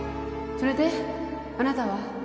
それであなたは？